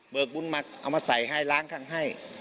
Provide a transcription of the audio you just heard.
บุญมาเอามาใส่ให้ล้างข้างให้